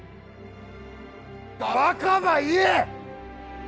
バカば言え！